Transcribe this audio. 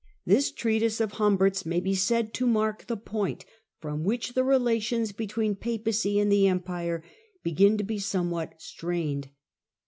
This treatise of Humbert's may be said to mark the point from which the relations between the Papacy and the Empire begin to be somewhat strained.